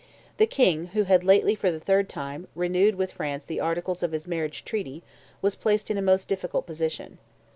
The King, who had lately, for the third time, renewed with France the articles of his marriage treaty, was placed in a most difficult position.